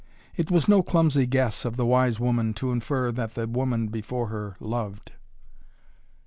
It was no clumsy guess of the wise woman to infer that the woman before her loved.